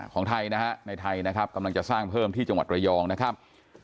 ของไทยนะฮะในไทยนะครับกำลังจะสร้างเพิ่มที่จังหวัดระยองนะครับ